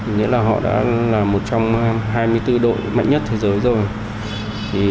nghĩa là họ đã là một trong hai mươi bốn đội mạnh nhất thế giới rồi